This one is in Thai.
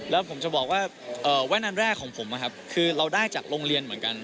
แล้วผมจะบอกว่าแว่นอันแรกของผมนะครับคือเราได้จากโรงเรียนเหมือนกัน